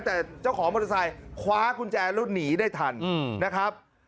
แต่เจ้าของมอเตอร์ไซค์คว้ากุญแจแล้วหนีได้ทันนะครับ